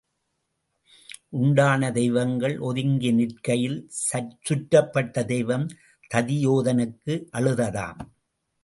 உண்டான தெய்வங்கள் ஒதுங்கி நிற்கையில் சுற்றுப்பட்ட தெய்வம் ததியோதனத்துக்கு அழுததாம்.